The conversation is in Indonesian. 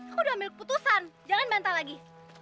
aku udah ambil keputusan jangan bantah lagi